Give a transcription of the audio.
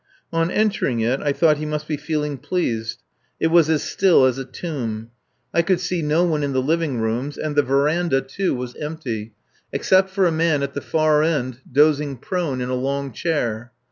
On entering it I thought he must be feeling pleased. It was as still as a tomb. I could see no one in the living rooms; and the verandah, too, was empty, except for a man at the far end dozing prone in a long chair.